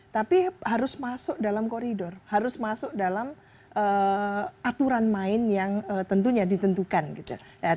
tapi harus masuk dalam koridor harus masuk dalam aturan main yang tentunya ditentukan gitu